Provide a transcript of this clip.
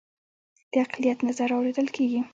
د اقلیت نظر اوریدل کیږي؟